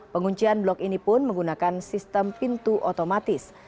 penguncian blok ini pun menggunakan sistem pintu otomatis